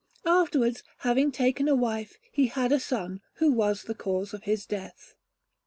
Afterwards, having taken a wife, he had a son, who was the cause of his death.